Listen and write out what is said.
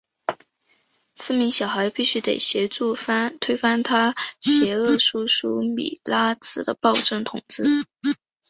四名小孩必须得协助推翻他邪恶叔叔米拉兹的暴政统治。